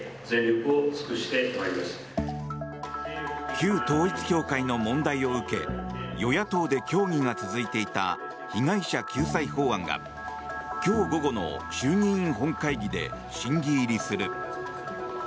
旧統一教会の問題を受け与野党で協議が続いていた被害者救済法案が今日午後の衆議院本会議で審議入りする。